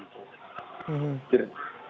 di rekonstruksi nanti kan nampak